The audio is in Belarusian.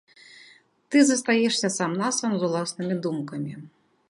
Ты застаешся сам-насам з уласнымі думкамі.